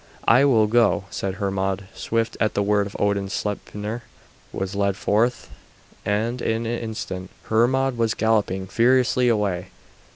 "I will go," said Hermod; swift at the word of Odin Sleipner was led forth, and in an instant Hermod was galloping furiously away.